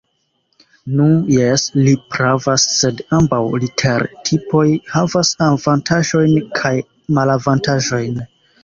Nu jes, li pravas; sed ambaŭ litertipoj havas avantaĝojn kaj malavantaĝojn.